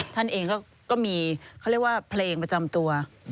ท่านเองก็มีเขาเรียกว่าเพลงประจำตัว